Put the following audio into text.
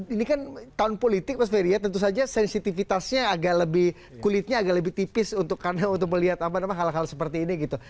ini kan tahun politik mas ferry ya tentu saja sensitivitasnya agak lebih kulitnya agak lebih tipis untuk melihat hal hal seperti ini gitu